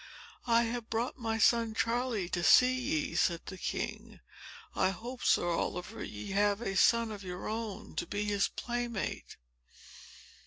"I have brought my son Charlie to see ye," said the king. "I hope, Sir Oliver, ye have a son of your own, to be his playmate?"